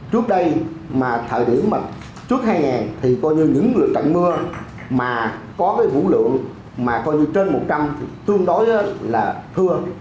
trước đây mà thời điểm trước hai nghìn thì coi như những trận mưa mà có cái phủ lượng mà coi như trên một trăm linh thì tương đối là thưa